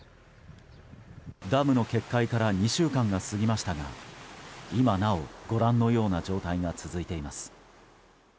ダムの決壊から２週間が過ぎましたが今なお、ご覧のような状態が続いています。